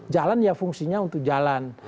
jalan ya fungsinya untuk jalan